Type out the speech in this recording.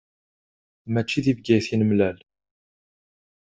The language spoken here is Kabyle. Mačči di Bgayet i nemlal.